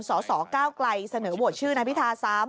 สสก้าวไกลเสนอโหวตชื่อนายพิธาซ้ำ